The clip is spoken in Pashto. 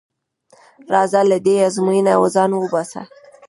راځه له دې ازموینې ځان وباسه.